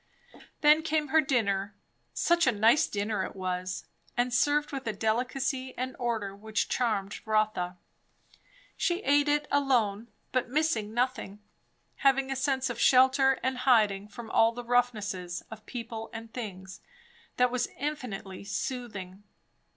Then came her dinner. Such a nice dinner it was; and served with a delicacy and order which charmed Rotha. She eat it alone, but missing nothing; having a sense of shelter and hiding from all roughnesses of people and things, that was infinitely soothing.